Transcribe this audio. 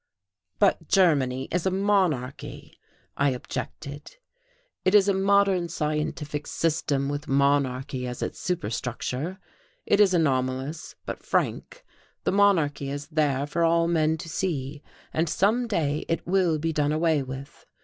"But Germany is a monarchy," I objected. "It is a modern, scientific system with monarchy as its superstructure. It is anomalous, but frank. The monarchy is there for all men to see, and some day it will be done away with.